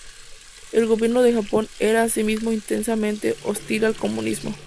El Gobierno de Japón era asimismo intensamente hostil al comunismo.